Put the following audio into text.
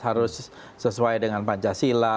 harus sesuai dengan pancasila